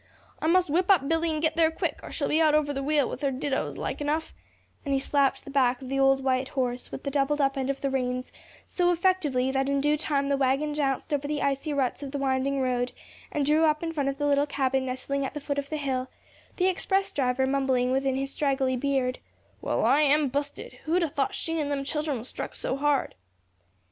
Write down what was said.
"I must whip up Billy an' git there quick, or she'll be out over the wheel with her didoes, like enough," and he slapped the back of the old white horse with the doubled up end of the reins so effectively that in due time the wagon jounced over the icy ruts of the winding road, and drew up in front of the little cabin nestling at the foot of the hill, the express driver mumbling within his straggly beard: "Well, I am busted, who'd 'a' thought she an' them children was struck so hard!"